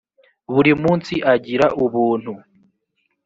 buri munsi agira ubuntu